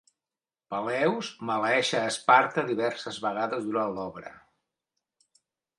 Peleus maleeix a Esparta diverses vegades durant l'obra.